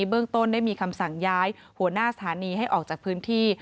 เบื้องต้นได้มีคำสั่งย้ายหัวหน้าสถานีให้ออกจากพื้นที่